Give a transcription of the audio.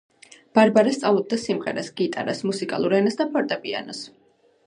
ბარბარა სწავლობდა სიმღერას, გიტარას, მუსიკალურ ენას და ფორტეპიანოს.